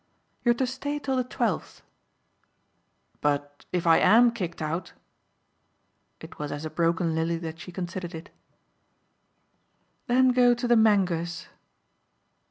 "You're to stay till the twelfth." "But if I AM kicked out?" It was as a broken lily that she considered it. "Then go to the Mangers."